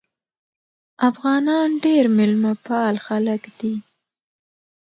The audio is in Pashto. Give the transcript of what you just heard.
افغانان ډېر میلمه پال خلک دي.